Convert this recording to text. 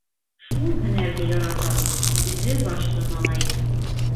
Шул һөнәрҙе ярата ул. Үҙе башлы малай.